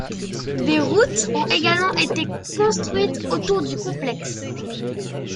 Des routes ont également été construites autour du complexe.